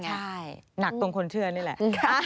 ใช่หนักตรงคนเชื่อนี่แหละ